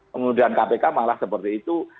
kemudian kpk malah seperti itu